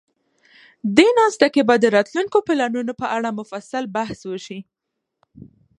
دې ناسته کې به د راتلونکو پلانونو په اړه مفصل بحث وشي.